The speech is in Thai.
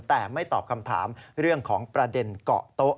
แต่ไม่ตอบคำถามเรื่องของประเด็นเกาะโต๊ะ